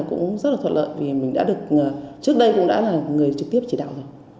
cũng rất là thuận lợi vì mình đã được trước đây cũng đã là người trực tiếp chỉ đạo rồi